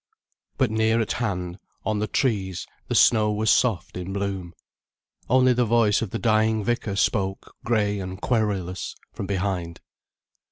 But near at hand on the trees the snow was soft in bloom. Only the voice of the dying vicar spoke grey and querulous from behind.